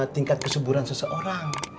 tingkat kesuburan seseorang